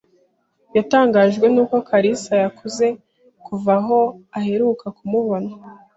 Yatangajwe nuko Kalisa yakuze kuva aho aheruka kumubona.